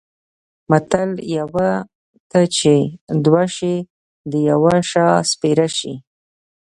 متل: یوه ته چې دوه شي د یوه شا سپېره شي.